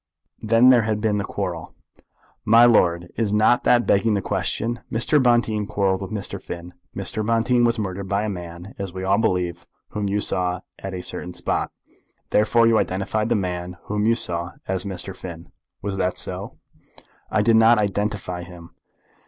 "Then there had been the quarrel." "My lord, is not that begging the question? Mr. Bonteen quarrelled with Mr. Finn. Mr. Bonteen was murdered by a man, as we all believe, whom you saw at a certain spot. Therefore you identified the man whom you saw as Mr. Finn. Was that so?" "I didn't identify him."